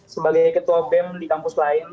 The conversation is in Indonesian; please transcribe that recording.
sebagai ketua bem di kampus lain